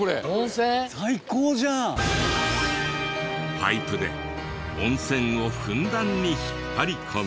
パイプで温泉をふんだんに引っ張り込み。